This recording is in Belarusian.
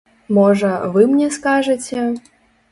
Можа, вы мне скажаце?